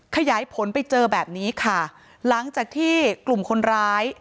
ขยายผลไปเจอแบบนี้ค่ะหลังจากที่กลุ่มคนร้าย